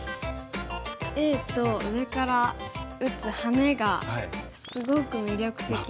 Ａと上から打つハネがすごく魅力的に。